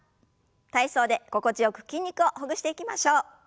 体操で心地よく筋肉をほぐしていきましょう。